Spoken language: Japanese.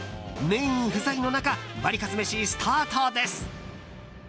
メイン不在の中ワリカツめし、スタートです。